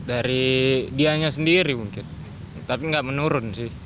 dari dianya sendiri mungkin tapi nggak menurun sih